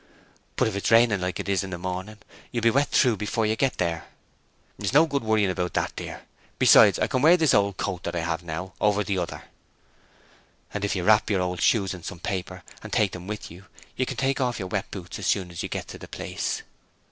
'But if it's raining like this in the morning, you'll be wet through before you get there.' 'It's no good worrying about that dear: besides, I can wear this old coat that I have on now, over the other.' 'And if you wrap your old shoes in some paper, and take them with you, you can take off your wet boots as soon as you get to the place.'